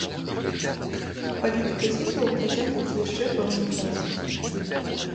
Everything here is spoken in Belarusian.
Палітыка сінглаў працягнецца яшчэ пэўны час.